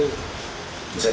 itu bisa dikendalikan